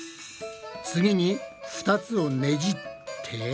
次に２つをねじって。